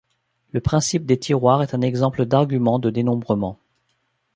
Le principe des tiroirs est un exemple d'argument de dénombrement.